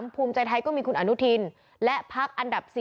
ภูมิใจไทยก็มีคุณอนุทินและพักอันดับ๔